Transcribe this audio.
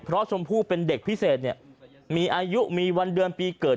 เพราะชมพู่เป็นเด็กพิเศษเนี่ยมีอายุมีวันเดือนปีเกิด